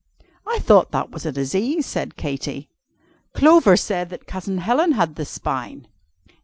"I thought that was a disease," said Katy. "Clover said that Cousin Helen had the spine!"